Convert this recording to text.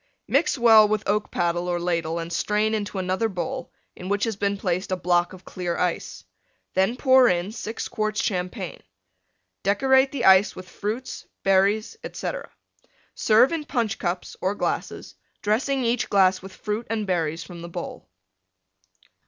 Mix well with oak paddle or ladle and strain into another bowl in which has been placed a block of clear ice. Then pour in 6 quarts Champagne. Decorate the Ice with Fruits, Berries, etc. Serve in Punch cups or glasses, dressing each glass with Fruit and Berries from the bowl.